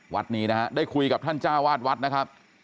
วัดนี้นะฮะได้คุยกับท่านจ้าวาดวัดนะครับ